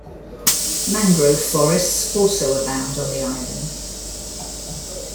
Mangrove forests also abound on the island.